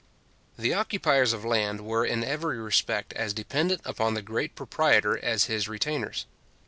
The occupiers of land were in every respect as dependent upon the great proprietor as his retainers.